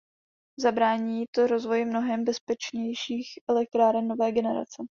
Zabrání to rozvoji mnohem bezpečnějších elektráren nové generace.